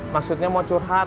maksudnya mau curhat